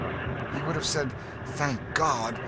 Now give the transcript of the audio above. He would have said "Thank God!"